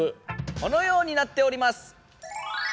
このようになっております！